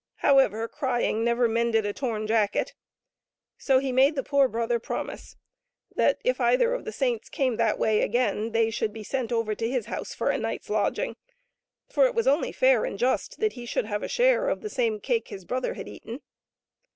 However, crying never mended a torn jacket, so he made the poor brother promise that if either of the saints came that way again, they should be sent over to his house for a night's lodging, for it was only fair and just that he should have a share of the same cake his brother had eaten.